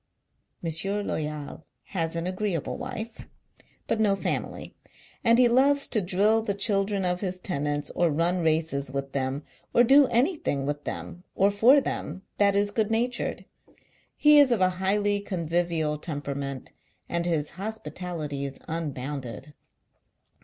" M. Loyal has an agreeable wife, but no family ; and he loves to drill the children of his tenants, or run races with them, or do anything with them, or for them, that is good natured. He is of a highly convivial temperament, and his hospitality is un bounded.